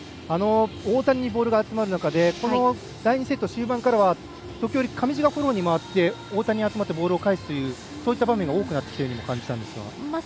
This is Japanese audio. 大谷にボールが集まる中第２セット終盤からは時折、上地にボールが回って大谷がフォローに回ってボールを返すというそういう場面が多くなってきたように感じたんですが。